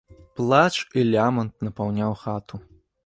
Плач і лямант напаўняў хату.